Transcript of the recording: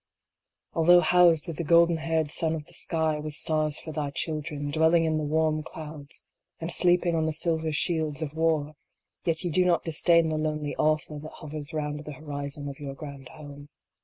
Although housed with the golden haired Son of the Sky, with stars for thy children, dwelling in the warm clouds, and sleeping on the silver shields of War, yet ye do not disdain the lonely Atha that hovers round 42 BATTLE OF THE STARS. the horizon of your Grand Home.